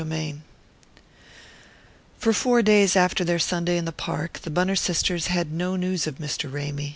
VI For four days after their Sunday in the Park the Bunner sisters had no news of Mr. Ramy.